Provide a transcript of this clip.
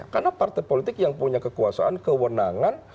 karena partai politik yang punya kekuasaan kewenangan